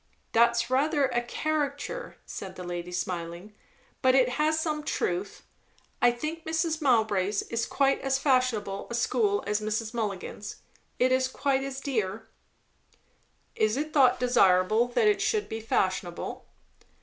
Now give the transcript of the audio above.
"That's rather a caricature," said the lady smiling; "but it has some truth. I think Mrs. Mowbray's is quite as fashionable a school as Mrs. Mulligan's. It is quite as dear." "Is it thought desirable, that it should be fashionable?"